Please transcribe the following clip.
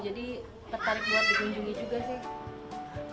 jadi tertarik buat digunjungi juga sih